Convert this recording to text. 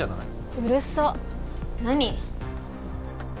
うるさっ何？